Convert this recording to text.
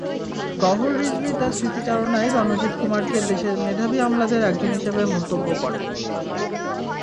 গওহর রিজভী তাঁর স্মৃতিচারণায় রণজিৎ কুমারকে দেশের মেধাবী আমলাদের একজন হিসেবে মন্তব্য করেন।